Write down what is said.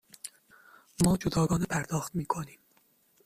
ما جداگانه پرداخت می کنیم.